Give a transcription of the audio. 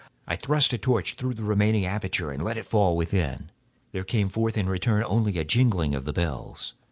I thrust a torch through the remaining aperture and let it fall within. There came forth in return only a jingling of the bells.